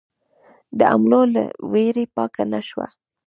د حملو له وېرې پاکه نه شوه.